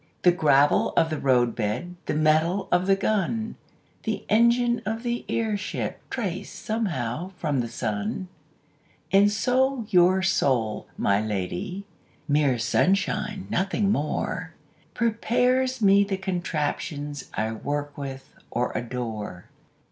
The gravel of the roadbed, The metal of the gun, The engine of the airship Trace somehow from the sun. And so your soul, my lady (Mere sunshine, nothing more) Prepares me the contraptions I work with or adore.